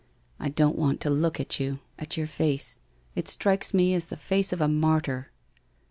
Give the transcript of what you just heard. ' I don't want to look at you — at your face. It strikes me as the face of a martyr.'